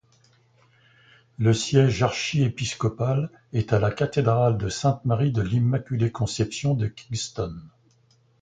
Le siège archiépiscopale est à la cathédrale de Sainte-Marie de l'Immaculée-Conception de Kingston.